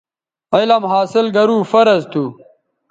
علم حاصل گرو فرض تھو